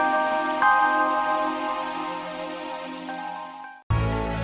saya akan berjaya